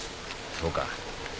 そうか。